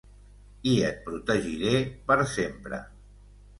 I et protegiré, per sempre.